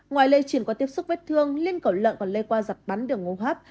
ngoài lây chuyển qua tiếp xúc vết thương lên cổ lợn còn lây qua giặt bắn đường ngô hấp